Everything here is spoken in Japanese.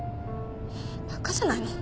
バカじゃないの？